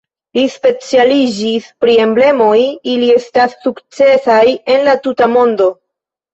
Li specialiĝis pri emblemoj, ili estas sukcesaj en la tuta mondo.